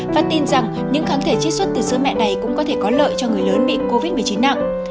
và tin rằng những kháng thể chiết xuất từ sứ mẹ này cũng có thể có lợi cho người lớn bị covid một mươi chín nặng